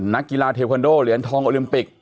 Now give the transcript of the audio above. นักกีฬาเทคอนโดเหรียญทองโอลิมปิก